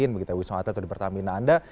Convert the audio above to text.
begitu wiso atau di pertamina anda